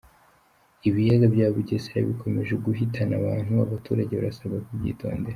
Ibiyaga bya Bugesera bikomeje guhitana abantu abaturage barasabwa kubyitondera